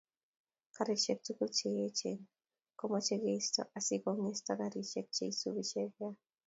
Garisiek tugul che yachen komoche keisto asi konget garisiek che isubi sheria